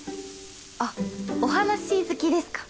あっお話し好きですか？